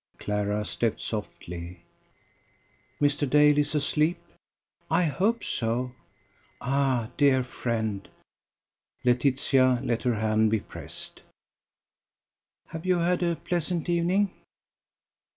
Clara stepped softly. "Mr. Dale is asleep?" "I hope so." "Ah! dear friend." Laetitia let her hand be pressed. "Have you had a pleasant evening?"